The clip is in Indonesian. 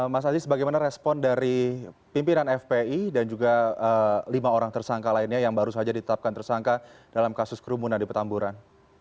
mas aziz bagaimana respon dari pimpinan fpi dan juga lima orang tersangka lainnya yang baru saja ditetapkan tersangka dalam kasus kerumunan di petamburan